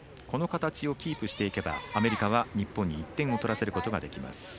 この形をキープしていけばアメリカは日本に１点を取らせることができます。